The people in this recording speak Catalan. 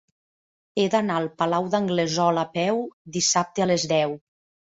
He d'anar al Palau d'Anglesola a peu dissabte a les deu.